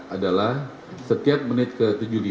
adalah setiap menit ke tujuh puluh lima